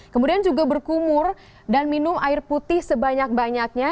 kemudian juga berkumur dan minum air putih sebanyak banyaknya